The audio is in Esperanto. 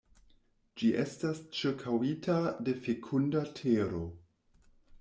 Ĝi estas ĉirkaŭita de fekunda tero.